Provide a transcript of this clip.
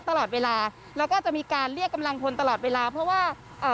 ตลอดเวลาแล้วก็จะมีการเรียกกำลังพลตลอดเวลาเพราะว่าเอ่อ